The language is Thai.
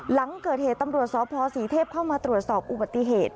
หลังเกิดเหตุตำรวจสพศรีเทพเข้ามาตรวจสอบอุบัติเหตุ